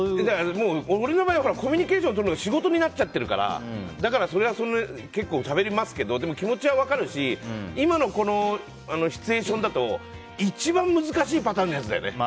俺の場合はコミュニケーションをとるのが仕事になっちゃってるからだからそれは結構しゃべりますけどでも、気持ちは分かるし今のシチュエーションだと一番難しいパターンのやつだよね。